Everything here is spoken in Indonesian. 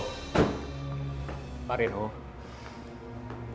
kau tak bisa mencoba